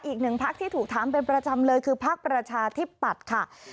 อีกหนึ่งพักที่ถูกถามเป็นประจำเลยคือพักประชาธิปัตย์ค่ะ